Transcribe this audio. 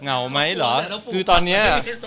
เห่าไหมเหรอคือตอนนี้